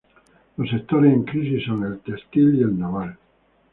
Los sectores en crisis son el textil y el naval.